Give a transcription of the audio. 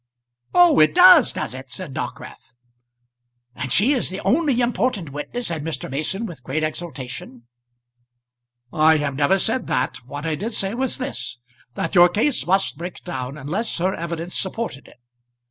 "Oh, it does; does it?" said Dockwrath. "And she is the only important witness?" said Mr. Mason with great exultation. "I have never said that; what I did say was this that your case must break down unless her evidence supported it.